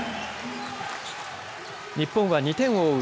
日本は２点を追う